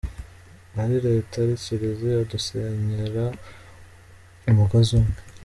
Ari Leta, ari Kiliziya, dusenyera umugozi umwe.